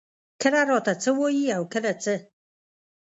کله راته څۀ وائي او کله څۀ ـ